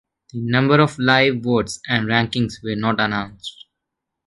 The number of live votes and rankings were not announced.